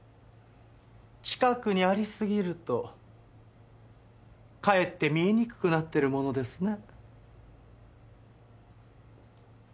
近くにありすぎるとかえって見えにくくなってるものですね。